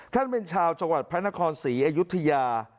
เป็นชาวจังหวัดพระนครศรีอยุธยา